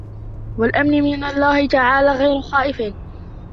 وَالْآمِنُ مِنْ اللَّهِ تَعَالَى غَيْرُ خَائِفٍ